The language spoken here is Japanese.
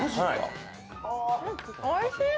おいしい！